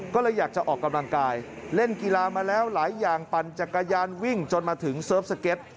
ก็เลยอยากจะออกกำลังกายเล่นกีฬามาแล้วหลายอย่างปั่นจักรยานวิ่งจนมาถึงเซิร์ฟสเก็ต